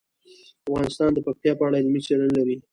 افغانستان د پکتیا په اړه علمي څېړنې لري.